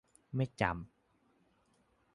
ไม่จำ